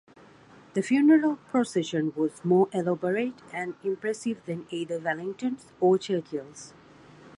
The funeral procession was more elaborate and impressive than either Wellington's or Churchill's.